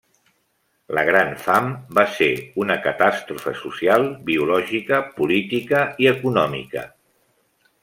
La Gran Fam va ser una catàstrofe social, biològica, política i econòmica.